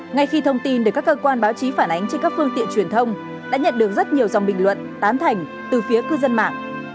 ngay khi thông tin được các cơ quan báo chí phản ánh trên các phương tiện truyền thông đã nhận được rất nhiều dòng bình luận tán thành từ phía cư dân mạng